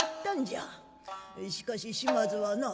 しかし島津はな